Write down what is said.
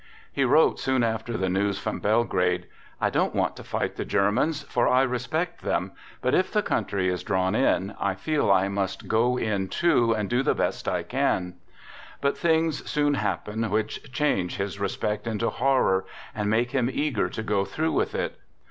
He wrote, soon after the news | from Belgrade: "I don't want to fight the Ger Jmans, for I respect them, but if the country is I drawn in, I feel I must go in too, and do the best I 1 can." But things soon happen which change his respect into horror, and make him eager to go I through with it.